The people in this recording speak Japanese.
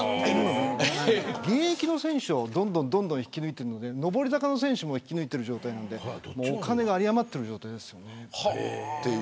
現役の選手をどんどん引き抜いてるので上り坂の選手も引き抜いてるんでお金が有り余ってる状態ですよね